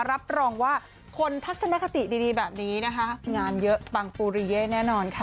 รับรองว่าคนทัศนคติดีแบบนี้นะคะงานเยอะปังปูริเย่แน่นอนค่ะ